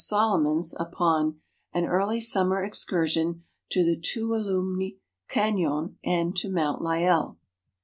Solomons upon "An Early Summer Excursion to the Tuolumne Canon and to Mount Lyell."